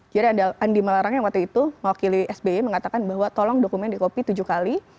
jadi andi malarang yang waktu itu mewakili sbi mengatakan bahwa tolong dokumen dikopi tujuh kali